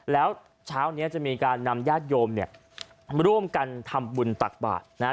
แล้วเช้านี้จะมีการนำญาติโยมเนี่ยร่วมกันทำบุญตักบาทนะฮะ